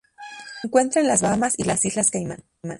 Se encuentra en las Bahamas y las Islas Caimán.